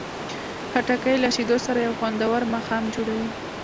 خټکی له شیدو سره یو خوندور ماښام جوړوي.